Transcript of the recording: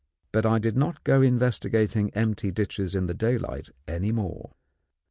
But I did not go investigating empty ditches in the daylight any more.